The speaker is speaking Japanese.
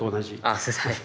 ああそうですね。